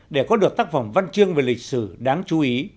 để có được tác phẩm văn chương về lịch sử đáng chú ý